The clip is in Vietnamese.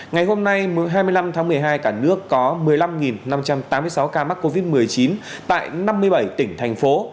ngày hôm nay hai mươi năm tháng một mươi hai cả nước có một mươi năm năm trăm tám mươi sáu ca mắc covid một mươi chín tại năm mươi bảy tỉnh thành phố